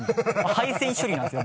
敗戦処理なんですよ